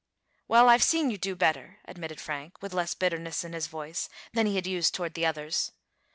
"Well, I've seen you do better," admitted Frank, with less bitterness in his voice than he had used toward the others.